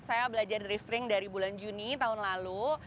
saya belajar drifting dari bulan juni tahun lalu